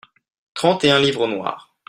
trente et un livres noirs.